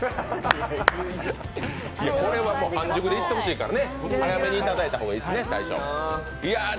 これは半熟でいってほしいから早めにいただいた方がいいですね、大将。